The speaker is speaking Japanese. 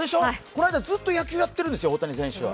この間ずっと野球をやっているんですよ、大谷選手は。